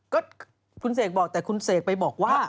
ก็คุณเสกบอกแต่คุณเสกไปบอกว่า